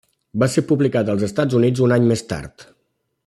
Va ser publicat als Estats Units un any més tard.